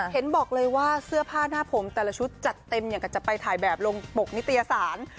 เห็นบอกเลยว่าเสื้อผ้าหน้าผมแต่ละชุดจัดเต็มอย่างกับจะไปถ่ายแบบลงปกนิตยสาร